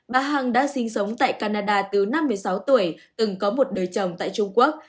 bà hằng đã sinh sống tại canada từ năm mươi sáu tuổi từng có một đời chồng tại trung quốc